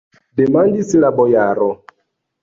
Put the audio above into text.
demandis la bojaro.